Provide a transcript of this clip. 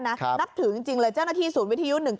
นับถึงจริงเลยเจ้าหน้าที่ศูนย์วิทยุ๑๙